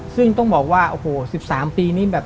ซึ่งต้องบอกว่า๑๓ปีนี้